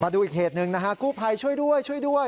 ดูอีกเหตุหนึ่งนะฮะกู้ภัยช่วยด้วยช่วยด้วย